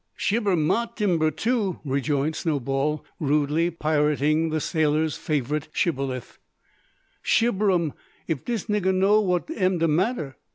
"Shibber ma timber, too," rejoined Snowball, rudely pirating the sailor's favourite shibboleth; "shibber 'um, if dis nigga know what am de matter.